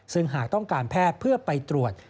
ซึ่งหากต้องการแพทย์เพื่อไปตรวจ